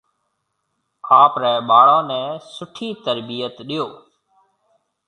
آپرَي ٻاݪون نَي سوٺِي ترتِيب ڏيو۔